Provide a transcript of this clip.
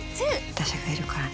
私がいるからね。